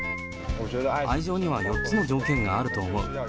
愛情には４つの条件があると思う。